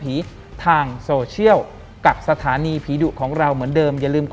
หลังจากนั้นเราไม่ได้คุยกันนะคะเดินเข้าบ้านอืม